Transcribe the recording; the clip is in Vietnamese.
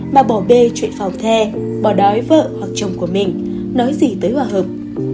mà bỏ bê chuyện phòng the bỏ đói vợ hoặc chồng của mình nói gì tới hòa hợp